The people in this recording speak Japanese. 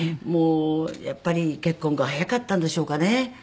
もうやっぱり結婚が早かったんでしょうかね。